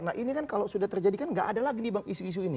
nah ini kan kalau sudah terjadi kan nggak ada lagi nih bang isu isu ini